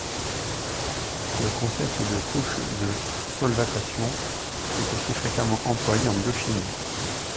Le concept de couche de solvatation est aussi fréquemment employé en biochimie.